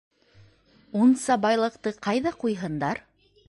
Унса байлыҡты ҡайҙа ҡуйһындар?